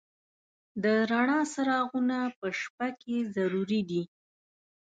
د رڼا څراغونه په شپه کې ضروري دي.